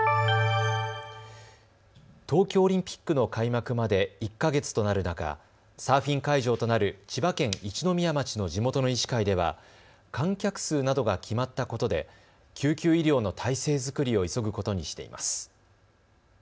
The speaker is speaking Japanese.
東京オリンピックの開幕まで１か月となる中、サーフィン会場となる千葉県一宮町の地元の医師会では観客数などが決まったことで救急医療の態勢作りを急ぐことにしています。